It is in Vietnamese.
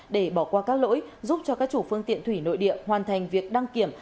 để bỏ qua các lỗi giúp cho các chủ phương tiện thủy nội địa hoàn thành việc đăng kiểm